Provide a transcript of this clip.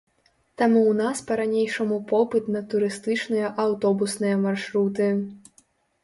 Таму ў нас па-ранейшаму попыт на турыстычныя аўтобусныя маршруты.